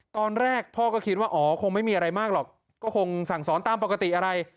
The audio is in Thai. ตอนแรกพ่อก็คิดว่าอ๋อคงไม่มีอะไรมากหรอกก็คงสั่งสอนตามปกติอะไร